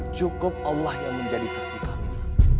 cukup allah yang menjadi saksi kami